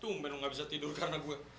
tumben lu gak bisa tidur karena gue